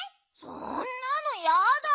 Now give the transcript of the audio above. そんなのやだ。